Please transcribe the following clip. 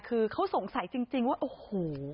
คือเขาสงสัยจริงว่าโอ้โห